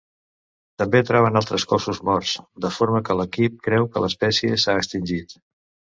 També troben altres cossos morts, de forma que l'equip creu que l'espècie s'ha extingit.